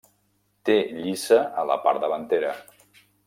Té lliça a la part davantera.